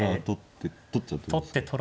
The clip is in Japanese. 取って取っちゃって。